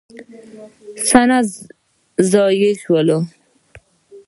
اسناد ضایع شول.